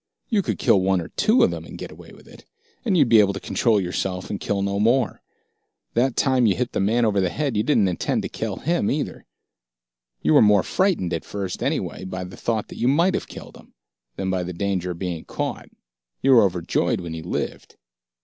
You could kill one or two of them and get away with it, and you'd be able to control yourself and kill no more. That time you hit the man over the head, you didn't intend to kill him either. You were more frightened, at first, anyway, by the thought that you might have killed him, than by the danger of being caught. You were overjoyed when he lived.